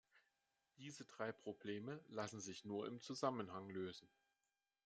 Diese drei Probleme lassen sich nur im Zusammenhang lösen.